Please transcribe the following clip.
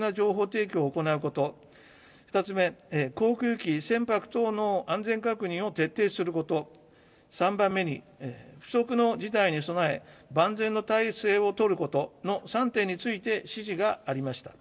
情報収集、分析に全力を挙げ、国民に対して迅速、的確な情報提供を行うこと、２つ目、航空機、船舶等の安全確認を徹底すること、３番目に不測の事態に備え、万全の態勢を取ることの３点について、指示がありました。